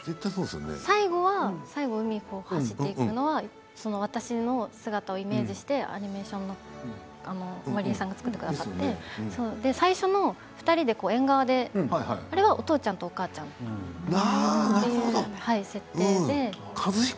最後、海に走っていくのは私の姿をイメージしてアニメーションを作ってくださって最初、２人で縁側でっていうのはお父ちゃんとお母ちゃんです。